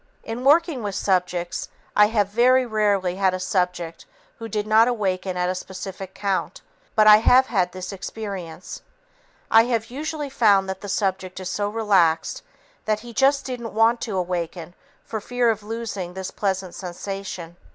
In working with subjects, I have very rarely had a subject who did not awaken at a specific count, but I have had this experience. I have usually found that the subject is so relaxed that he just didn't want to awaken for fear of losing this pleasant sensation.